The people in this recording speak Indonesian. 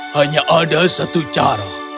hanya ada satu cara